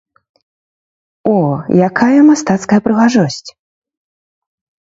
О, якая мастацкая прыгажосць!